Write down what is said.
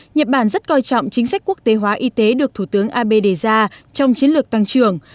nhật bản rất coi trọng chính sách quốc tế hóa y tế được thủ tướng abe đề ra trong chiến lược tăng trưởng